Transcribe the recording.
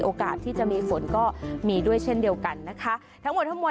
โอกาสที่จะมีฝนก็มีด้วยเช่นเดียวกันนะคะทั้งหมดทั้งวันนี้ก็เป็นการคาดการณ์เอาไว้